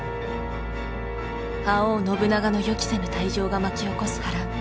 覇王信長の予期せぬ退場が巻き起こす波乱。